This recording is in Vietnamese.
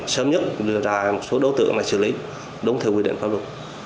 sớm nhất đưa ra một số đối tượng để xử lý